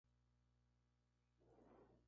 Esta planta se ha ganado el Award of Garden Merit.